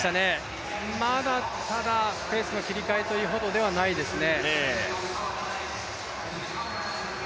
まだ、ただ、ペースの切り替えというほどではないですね。